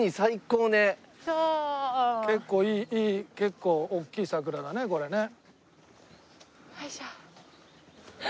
結構いい結構大きい桜だねこれね。